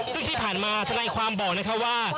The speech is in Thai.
ซึ่งที่ผ่านมาธนายความบอกนะคะว่า